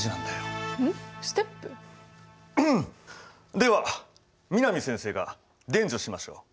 では南先生が伝授しましょう。